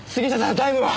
タイムは？